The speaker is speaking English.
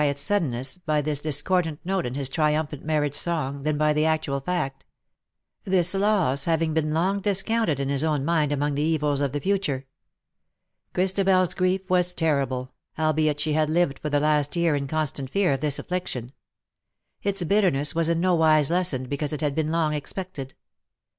its suddenness^ by this discordant note in his trium phant marriage song, than by the actual fact ; this loss having been long discounted in his own mind among the evils o£ the future. ChristabeFs grief was terrible, albeit she had lived for the last year in constant fear of this affliction. Its bitterness was in no wise lessened because it had been long expected.